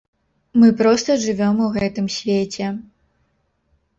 Мы проста жывём у гэтым свеце.